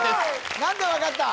何で分かった？